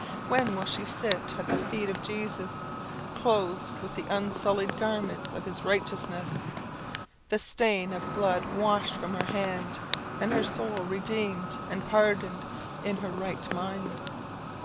When will she sit at the feet of Jesus, clothed with the unsullied garments of his righteousness, the stain of blood washed from her hand, and her soul redeemed, and pardoned, and in her right mind?